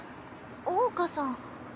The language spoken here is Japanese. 桜花さん。